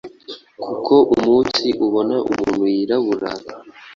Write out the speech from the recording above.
kuko umunsi ubona umuntu yirabura